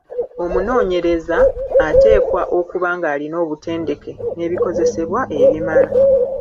Omunoonyereza ateekwa okuba ng’alina obutendeke n’ebikozesebwa ebimala.